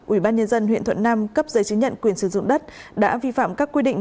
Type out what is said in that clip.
ubnd huyện thuận nam cấp giấy chứng nhận quyền sử dụng đất đã vi phạm các quy định